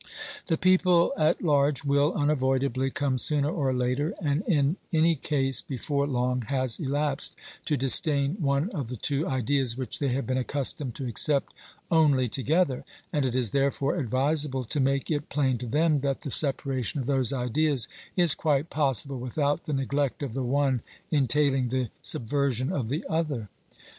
The people at large will, unavoidably, come sooner or later, and in any case before long has elapsed, to disdain one of the two ideas which they have been accustomed to accept only together, and it is therefore advisable to make it plain to them that the separation of those ideas is quite possible without the neglect of the one entailing the sub version of the other.